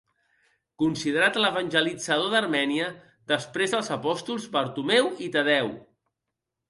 Considerat l'evangelitzador d'Armènia, després dels apòstols Bartomeu i Tadeu.